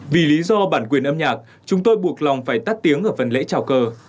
vì lý do bản quyền âm nhạc chúng tôi buộc lòng phải tắt tiếng ở phần lễ trào cờ